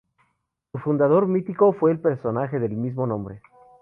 Su fundador mítico fue el personaje del mismo nombre.